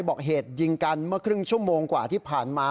บอกเหตุยิงกันเมื่อครึ่งชั่วโมงกว่าที่ผ่านมา